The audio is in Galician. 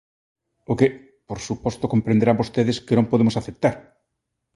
O que, por suposto, comprenderán vostedes que non podemos aceptar.